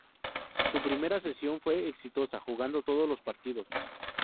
Su primera sesión fue exitosa, jugando todos los partidos.